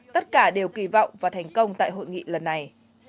tất cả đều kỳ vọng và thành công tại hội nghị lần này